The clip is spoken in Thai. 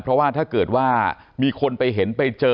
เพราะว่าถ้าเกิดว่ามีคนไปเห็นไปเจอ